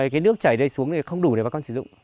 cái nước chảy đây xuống thì không đủ để bà con sử dụng